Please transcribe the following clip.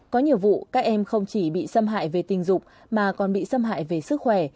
có nhiều vụ các em không chỉ bị xâm hại về tình dục mà còn bị xâm hại về sức khỏe